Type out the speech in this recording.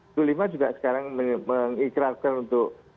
itu lima juga sekarang mengikrarkan untuk